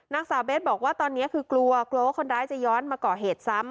นางสาวเบสบอกว่าตอนนี้คือกลัวกลัวว่าคนร้ายจะย้อนมาก่อเหตุซ้ำ